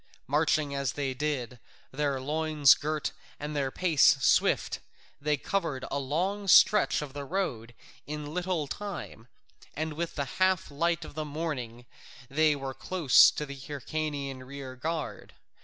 Marching as they did, their loins girt and their pace swift, they covered a long stretch of road in little time, and with the half light of the morning they were close to the Hyrcanian rear guard.